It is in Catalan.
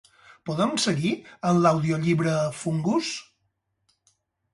Podem seguir amb l'audiollibre "Fungus"?